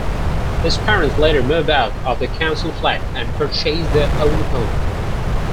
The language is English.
His parents later moved out of their council flat and purchased their own home.